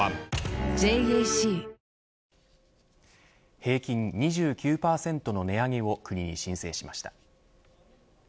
平均２９％の値上げを国に申請しました。